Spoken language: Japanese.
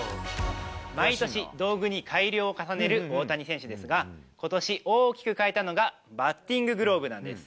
毎年、道具に改良を重ねる大谷選手ですが、ことし大きく変えたのが、バッティンググローブなんです。